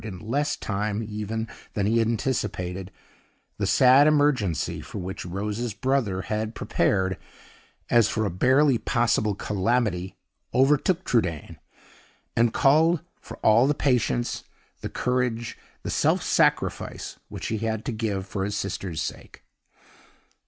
In less time even than he had anticipated, the sad emergency for which Rose's brother had prepared, as for a barely possible calamity, overtook Trudaine, and called for all the patience, the courage, the self sacrifice which he had to give for his sister's sake.